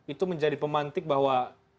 itu menjadi pemantik bahwa